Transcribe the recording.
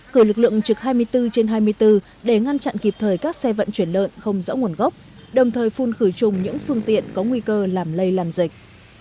cử lực lượng trực hai mươi bốn trên hai mươi bốn để ngăn chặn kịp thời các xe vận chuyển lợn không rõ nguồn gốc đồng thời phun khử trùng những phương tiện có nguy cơ làm lây lan dịch